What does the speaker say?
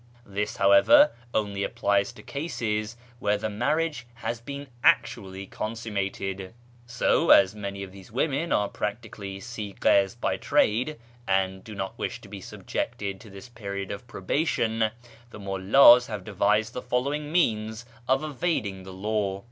This, however, only applies to cases where the marriage has been actually consummated. So, as many of these women are practically sighas by trade, and do not wish to be subjected to this period of probation, the mullds have devised the following means of evading the law.